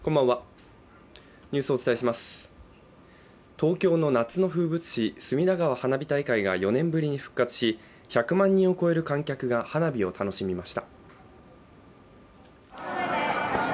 東京の夏の風物詩隅田川花火大会が４年ぶりに復活し１００万人を超える観客が花火を楽しみました。